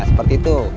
nah seperti itu